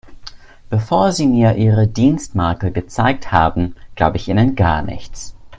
Bevor Sie mir Ihre Dienstmarke gezeigt haben, glaube ich Ihnen gar nichts.